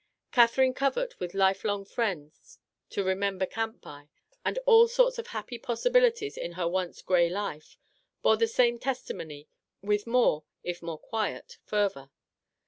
Katherine Covert, with life long friends to " remember camp by," and all sorts of happy possibilities in her once gray life, bore the same testimony with more, if more quiet, fervour.